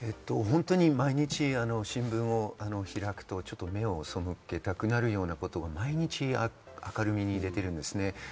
毎日、新聞を開くと目を背けたくなるようなことが毎日、明るみに出ています。